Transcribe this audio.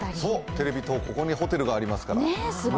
テレビ塔、ここにホテルがありますから。